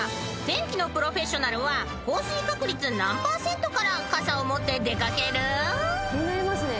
［天気のプロフェッショナルは降水確率何％から傘を持って出掛ける？］